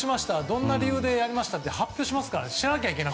どんな理由でやりましたと発表しますから。